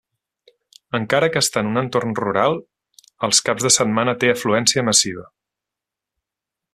Encara que està en un entorn rural, els caps de setmana té afluència massiva.